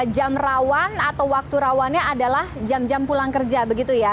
jam rawan atau waktu rawannya adalah jam jam pulang kerja begitu ya